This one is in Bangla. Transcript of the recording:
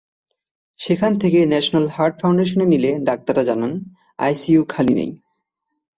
সেখান থেকে ন্যাশনাল হার্ট ফাউন্ডেশনে নিলে ডাক্তাররা জানান, আইসিইউ খালি নেই।